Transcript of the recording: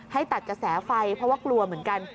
ให้ตัดกระแสไฟเพราะว่ากลัวเหมือนกัน